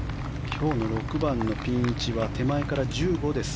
今日の６番のピン位置は手前から１５です。